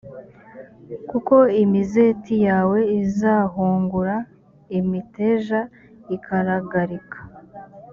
kuko imizeti yawe izahungura imiteja ikaragarika.